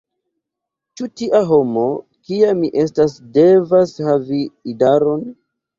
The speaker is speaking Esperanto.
Ĉu tia homo, kia mi estas, devas havi idaron?